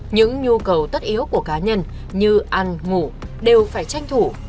những nhu cầu tất yếu của cá nhân như ăn ngủ đều phải tranh thủ